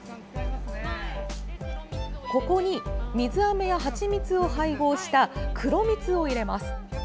ここに、水あめや蜂蜜を配合した黒蜜を入れます。